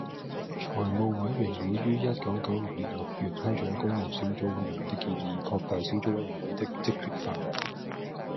財務委員會於一九九六年六月批准工務小組委員會的建議，擴大小組委員會的職權範圍